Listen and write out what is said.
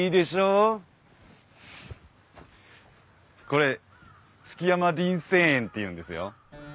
これ築山林泉園っていうんですよ。